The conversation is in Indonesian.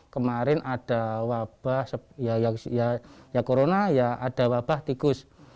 kemarin ada wabah ya corona ya ada wabah tikus